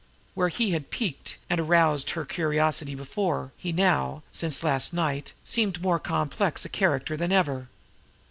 Where he had piqued and aroused her curiosity before, he now, since last night, seemed more complex a character than ever.